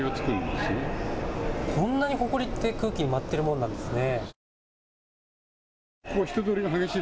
こんなにほこりって空気に舞っているものなんですね。